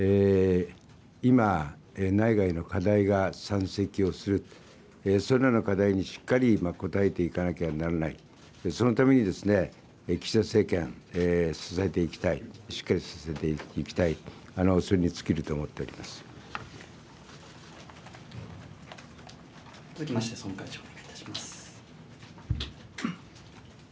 今、内外の課題が山積をする、そのような課題にしっかり応えていかなきゃならない、そのために岸田政権支えていきたい、しっかり支えていきたい、続きまして、総務会長お願いします。